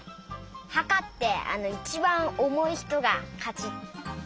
はかっていちばんおもいひとがかち。